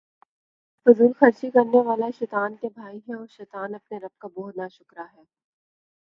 فضول خرچی کرنے والے شیطان کے بھائی ہیں، اور شیطان اپنے رب کا بہت ناشکرا ہے